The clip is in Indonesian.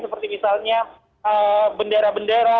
seperti misalnya bendera bendera